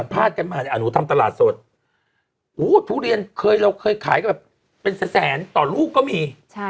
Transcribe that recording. พาดกันมาหนูทำตลาดสดทุเรียนเคยเราเคยขายก็แบบเป็นแสนต่อลูกก็มี